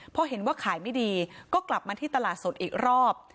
พอเห็นว่าขายไม่ดีก็กลับมาที่ตลาดสดอีกรอบ